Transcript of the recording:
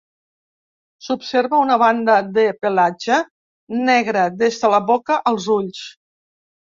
S'observa una banda de pelatge negre des de la boca als ulls.